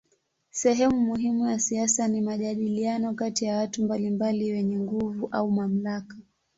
Sehemu muhimu ya siasa ni majadiliano kati ya watu mbalimbali wenye nguvu au mamlaka.